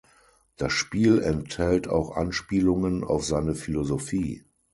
Das Spiel enthält auch Anspielungen auf seine Philosophie.